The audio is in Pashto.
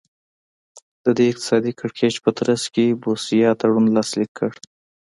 د دې اقتصادي کړکېچ په ترڅ کې بوسیا تړون لاسلیک کړ.